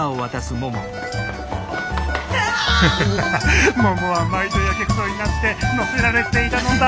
ハハハハももは毎度やけくそになって乗せられていたのだ！